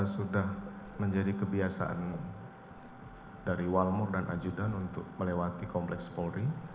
sudah menjadi kebiasaan dari walmor dan azidan untuk melewati kompleks poli